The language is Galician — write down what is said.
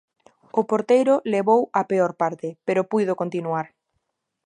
O porteiro levou a peor parte, pero puido continuar.